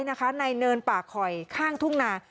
เนินป่าคอยข้างทุ่งนา